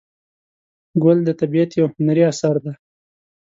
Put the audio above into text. ګل د طبیعت یو هنري اثر دی.